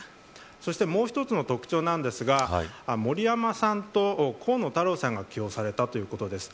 そして、もう１つの特徴ですが森山さんと河野太郎さんが起用されたということです。